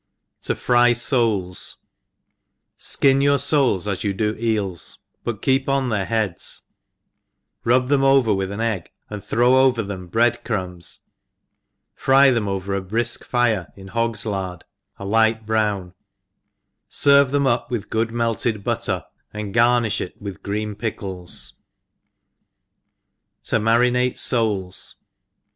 9 T0 L ENGLISH HOUSE KEEPER. 35 ^0 fry Soles.. SKIN your foles as you do eels, but keep oa their heads, rub them over with an egg> and ftrew over them bread crumbs, fry them over ^ briik fire in hogs lard a light brown, ferve then\ up with good melted butter, and garni(h it with green pickles 4 ' To mdrindte Soles.